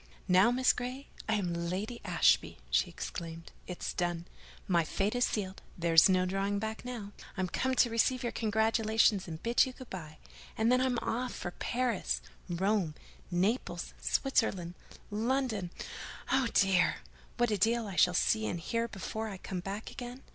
"Now, Miss Grey, I'm Lady Ashby!" she exclaimed. "It's done, my fate is sealed: there's no drawing back now. I'm come to receive your congratulations and bid you good by; and then I'm off for Paris, Rome, Naples, Switzerland, London—oh, dear! what a deal I shall see and hear before I come back again.